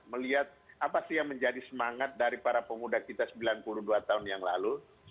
melihat apa sih yang menjadi semangat dari para pemuda kita sembilan puluh dua tahun yang lalu